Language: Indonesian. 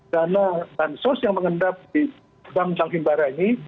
dana bansos yang mengendap di bank bank himbara ini